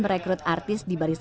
merekrut artis dibari sobat